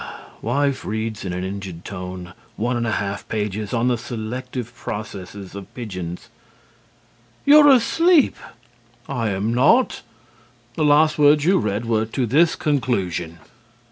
WIFE: (reads in an injured tone one and a half pages on the selective processes of pigeons): You're asleep! HUSBAND: I am not. The last words you read were "to this conclusion."